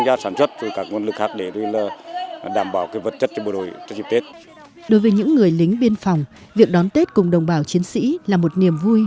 đối với những người lính biên phòng việc đón tết cùng đồng bào chiến sĩ là một niềm vui